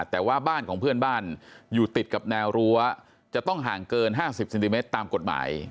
แต่ว่าบ้านของเพื่อนบ้านอยู่ติดกับแนวรั้วจะต้องห่างเกิน๕๐เซนติเมตรตามกฎหมาย